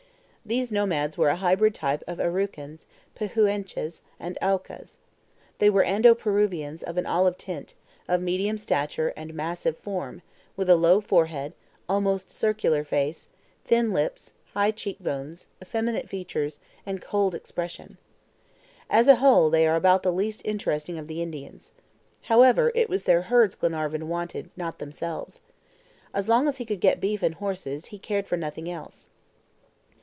These nomads were a hybrid type of Araucans, Pehu enches, and Aucas. They were Ando Peruvians, of an olive tint, of medium stature and massive form, with a low forehead, almost circular face, thin lips, high cheekbones, effeminate features, and cold expression. As a whole, they are about the least interesting of the Indians. However, it was their herds Glenarvan wanted, not themselves. As long as he could get beef and horses, he cared for nothing else.